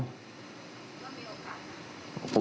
นายก็มีโอกาส